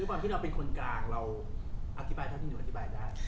ความที่เราเป็นคนกลางเราอธิบายเท่าที่หนูอธิบายได้